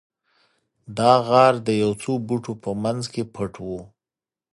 دا غار د یو څو بوټو په مینځ کې پټ و